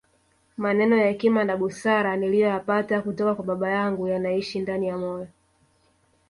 Maneno ya hekima na busara niliyoyapata kutoka kwa baba yangu yanaishi ndani ya moyo